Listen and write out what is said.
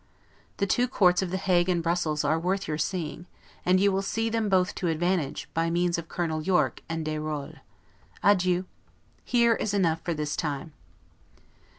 The two courts of The Hague and Brussels are worth your seeing; and you will see them both to advantage, by means of Colonel Yorke and Dayrolles. Adieu. Here is enough for this time.